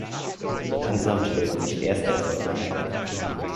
Langsam stellten sich erste Erfolge ein.